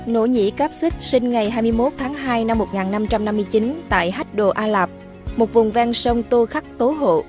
nỗ nhĩ cáp xích sinh ngày hai mươi một tháng hai năm một nghìn năm trăm năm mươi chín tại hách đồ a lạp một vùng ven sông tô khắc tố hộ